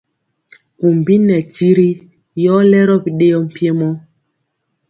Kumbi nɛ tiri yɔ lero bidɛɛɔ mpiemo.